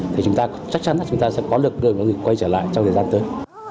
thì chúng ta chắc chắn là chúng ta sẽ có lực đưa nhân lực quay trở lại trong thời gian tới